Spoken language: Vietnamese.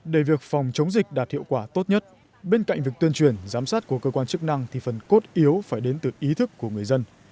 để việc phòng chống dịch đạt hiệu quả tốt nhất bên cạnh việc tuyên truyền giám sát của cơ quan chức năng thì phần cốt yếu phải đến từ ý thức của người dân